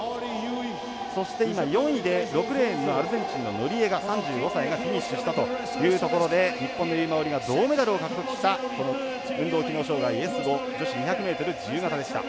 そして今、４位で６レーンのアルゼンチンのノリエガ、３５歳がフィニッシュしたというところで日本の由井真緒里が銅メダルを獲得した運動機能障がいＳ５女子２００ｍ自由形でした。